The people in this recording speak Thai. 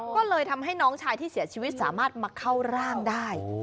ก็เลยทำให้น้องชายที่เสียชีวิตสามารถมาเข้าร่างได้